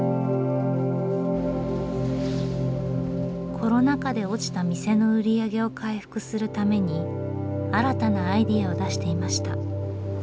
コロナ禍で落ちた店の売り上げを回復するために新たなアイデアを出していました。